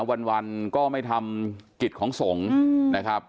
วันก็ไม่ทำกิจของสงฆ์นะครับ